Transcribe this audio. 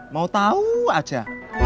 mau tau aja